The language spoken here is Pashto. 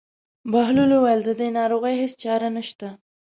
بهلول وویل: د دې ناروغۍ هېڅ چاره نشته.